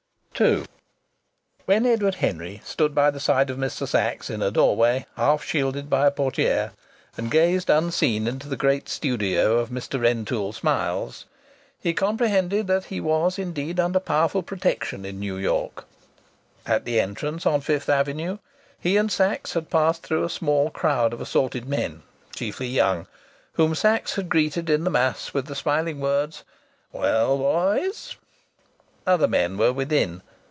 II When Edward Henry stood by the side of Mr. Sachs in a doorway half shielded by a portière, and gazed unseen into the great studio of Mr. Rentoul Smiles, he comprehended that he was indeed under powerful protection in New York. At the entrance on Fifth Avenue he and Sachs had passed through a small crowd of assorted men, chiefly young, whom Sachs had greeted in the mass with the smiling words, "Well, boys!" Other men were within.